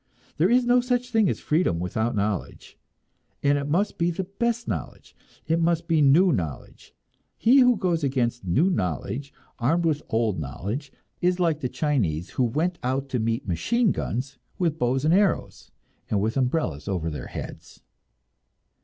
There is no such thing as freedom without knowledge, and it must be the best knowledge, it must be new knowledge; he who goes against new knowledge armed with old knowledge is like the Chinese who went out to meet machine guns with bows and arrows, and with umbrellas over their heads.